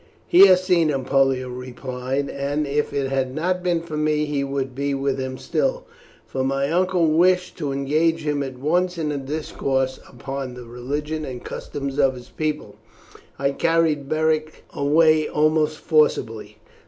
"He has seen him," Pollio replied; "and if it had not been for me he would be with him still, for my uncle wished to engage him at once in a discourse upon the religion and customs of his people; I carried Beric away almost forcibly."